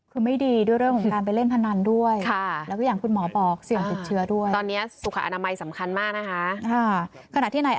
คือไม่ดีด้วยเรื่องของการไปเล่นพนันด้วย